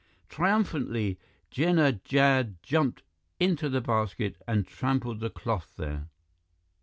Triumphantly, Jinnah Jad jumped into the basket and trampled the cloth there.